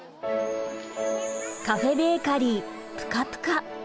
カフェベーカリーぷかぷか。